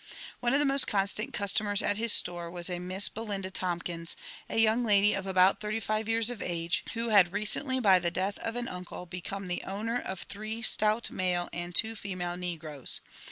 One of the most constant customers at his store was a MisB Bo« linda Tomktns, a young lady of about thirty five years of age, who had recently by the death of an uncle become the owner of three stout JONATHAN JEFFEfiSON WUITLAW. 4S mile and two female negroes.